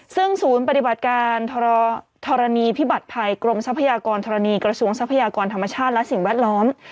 ซึ่งศูนย์ปฏิบัติการธรณีพิบัติภัยกรมทรัพยากรธรณีกระทรวงทรัพยากรธรรมชาติและสิ่งแวดล้อม